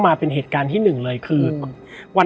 และวันนี้แขกรับเชิญที่จะมาเชิญที่เรา